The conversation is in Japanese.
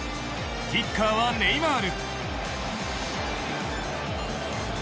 キッカーはネイマール。